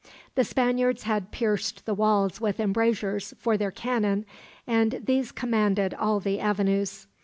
The Spaniards had pierced the walls with embrasures for their cannon, and these commanded all the avenues.